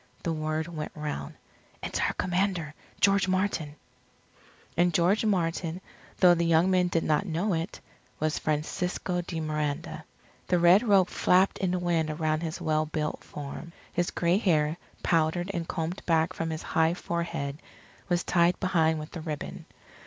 The word went round: "It's our Commander, George Martin." And George Martin, though the young men did not know it, was Francisco de Miranda. The red robe flapped in the wind around his well built form. His gray hair, powdered and combed back from his high forehead, was tied behind with a ribbon.